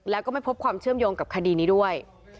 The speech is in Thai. แล้วก็ไม่พบความเชื่อมโยงกับคดีนี้ด้วย